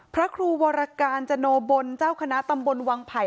พระครูวรการจโนบลเจ้าคณะตำบลวังไผ่